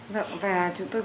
vâng và chúng tôi